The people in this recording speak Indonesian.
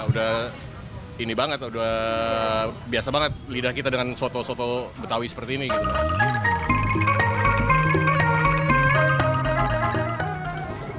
udah ini banget udah biasa banget lidah kita dengan soto soto betawi seperti ini gitu